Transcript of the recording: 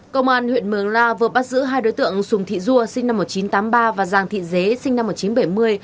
công an huyện mường la vừa bắt giữ hai đối tượng sùng thị dua sinh năm một nghìn chín trăm tám mươi ba và giàng thị dế sinh năm một nghìn chín trăm bảy mươi